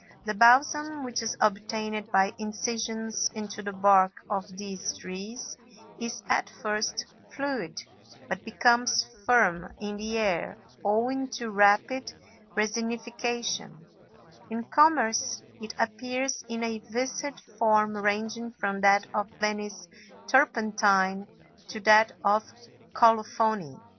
The balsam, which is obtained by incisions into the bark of these trees, is at first fluid, but becomes firm in the air owing to rapid resinification; in commerce it appears in a viscid form ranging from that of Venice turpentine to that of colophony.